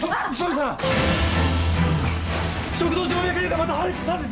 食道静脈瘤がまた破裂したんです！